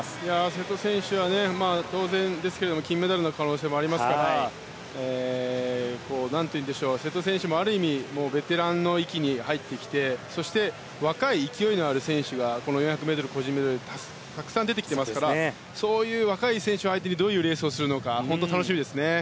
瀬戸選手は当然ですけれども金メダルの可能性もありますから瀬戸選手も、ある意味ベテランの域に入ってきてそして、若い勢いのある選手が４００ｍ個人メドレーにたくさん出てきていますからそういう若い選手を相手にどういうレースをするのか楽しみですね。